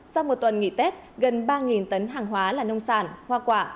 sau một tuần nghỉ tết gần ba tấn hàng hóa là nông sản hoa quả